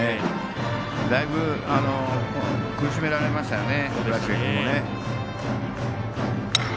だいぶ苦しめられましたよね。